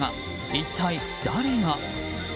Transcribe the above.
一体、誰が？